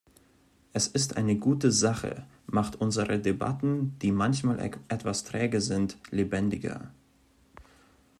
Es ist eine gute Sachemacht unsere Debatten, die manchmal etwas träge sind, lebendiger.